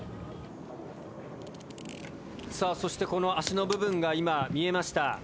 さあそしてこの脚の部分が今見えました。